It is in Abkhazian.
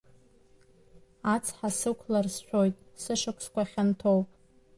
Ацҳа сықәлар, сшәоит, сышықәсқәа хьанҭоуп!